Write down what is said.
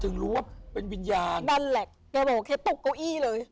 รู้ว่าเป็นวิญญาณนั่นแหละแกบอกแค่ตกเก้าอี้เลย